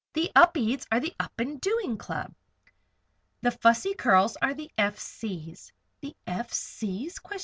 The Upedes are the Up and Doing Club. The Fussy Curls are the F. C.'s." "The F. C.'